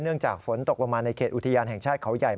จากฝนตกลงมาในเขตอุทยานแห่งชาติเขาใหญ่